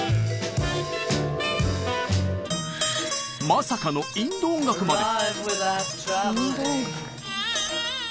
まさかのインド音楽まで。